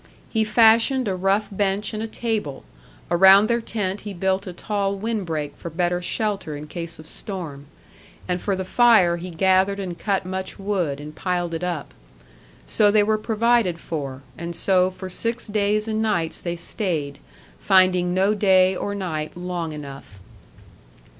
He fashioned a rough bench and a table; around their tent he built a tall wind break for better shelter in case of storm; and for the fire he gathered and cut much wood, and piled it up. So they were provided for, and so for six days and nights they stayed, finding no day or night long enough.